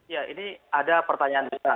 ya ini ada pertanyaan juga